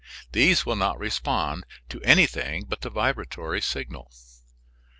These will not respond to anything but the vibratory signal.